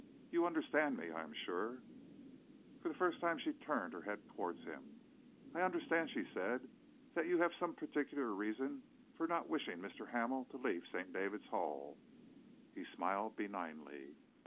You understand me, I am sure?" For the first time she turned her head towards him. "I understand," she said, "that you have some particular reason for not wishing Mr. Hamel to leave St. David's Hall." He smiled benignly.